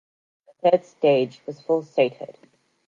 The third stage was full statehood.